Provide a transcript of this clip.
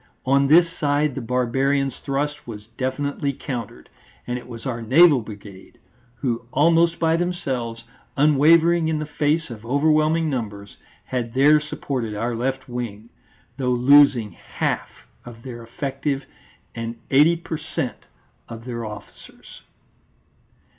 On this side the barbarians' thrust was definitely countered. And it was our Naval Brigade, who almost by themselves, unwavering in the face of overwhelming numbers, had there supported our left wing, though losing half of their effective and eighty per cent. of their officers.